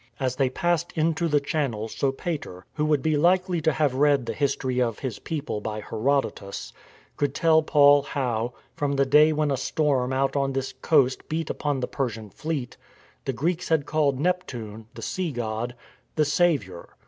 As they passed into the channel, Sopater — who would be likely to have read the history of his people by Herodotus — could tell Paul how, from the day when a storm out on this coast beat upon the Persian Fleet — the Greeks had called Neptune (the sea god) " the Saviour."